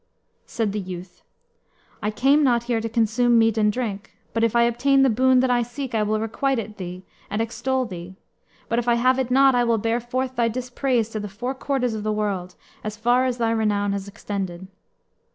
Said the youth, "I came not here to consume meat and drink; but if I obtain the boon that I seek, I will requite it thee, and extol thee; but if I have it not, I will bear forth thy dispraise to the four quarters of the world, as far as thy renown has extended."